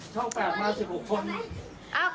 เชี่ยวแบบมา๑๖คน